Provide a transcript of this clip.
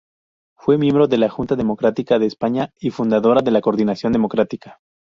Fue miembro de la Junta Democrática de España y fundadora de Coordinación Democrática.